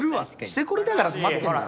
してこれだから困ってるんだろ。